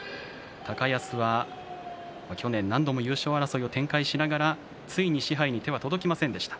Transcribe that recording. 高安は去年、何度も優勝争いを展開しながらついに賜盃に手が届きませんでした。